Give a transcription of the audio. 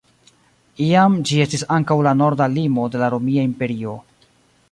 Iam ĝi estis ankaŭ la norda limo de la Romia Imperio.